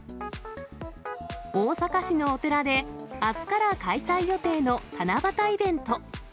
大阪市のお寺で、あすから開催予定の七夕イベント。